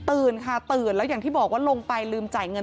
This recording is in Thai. ตื่นค่ะตื่นแล้วอย่างที่บอกว่าลงไปลืมจ่ายเงิน